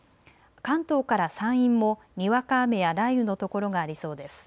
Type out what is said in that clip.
関東から山陰もにわか雨や雷雨の所がありそうです。